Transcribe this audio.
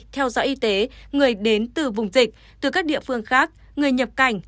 theo dõi y tế người đến từ vùng dịch từ các địa phương khác người nhập cảnh